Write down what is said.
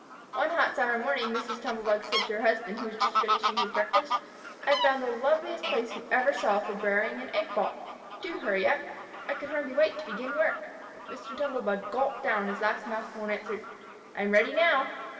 One hot summer morning, Mrs. Tumble bug said to her husband, who was just finishing his breakfast, "I have found the loveliest place you ever saw for burying an egg ball. Do hurry up! I can hardly wait to begin work." Mr. Tumble bug gulped down his last mouthful and answered, "I'm ready now."